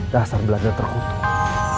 dasar belajar terkutuk